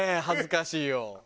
恥ずかしいよ。